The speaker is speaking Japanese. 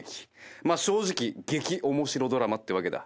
まあ正直激面白ドラマってわけだ。